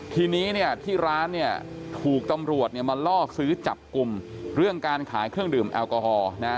ทีนี้ที่ร้านถูกตำรวจมาล่อซื้อจับกลุ่มเรื่องการขายเครื่องดื่มแอลกอฮอล์